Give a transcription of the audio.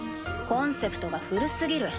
コンセプトが古すぎる。